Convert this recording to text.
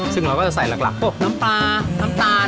ซึ่งเราก็จะใส่หลักพวกน้ำปลาน้ำตาล